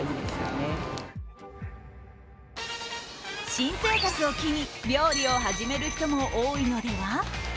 新生活を機に料理を始める人も多いのでは？